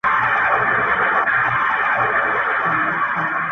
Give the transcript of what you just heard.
ستا خنداگاني مي ساتلي دي کرياب وخت ته~